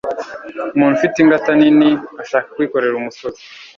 umuntu ufite ingata nini ashaka kwikorera umusozi